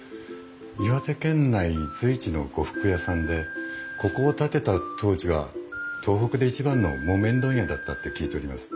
岩手県内随一の呉服屋さんでここを建てた当時は東北で一番の木綿問屋だったって聞いております。